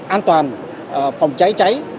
an toàn phòng cháy cháy